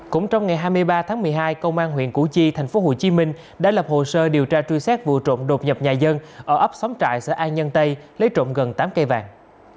cũng trong ngày hai mươi ba tháng một mươi hai công an huyện củ chi thành phố hồ chí minh đã lập hồ sơ điều tra truy xét vụ trộm đột nhập nhà dân ở ấp xóm trại sở an nhân tây lấy trộm gần tám cây vàng